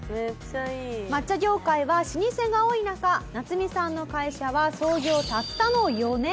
抹茶業界は老舗が多い中ナツミさんの会社は創業たったの４年！